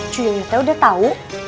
cucu ya udah tau